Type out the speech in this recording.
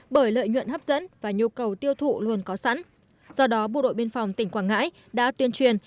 bởi lợi nhuận hấp dẫn và nhu cầu tiêu thụ luôn có sẵn do đó bộ đội biên phòng tỉnh quảng ngãi đã tuyên truyền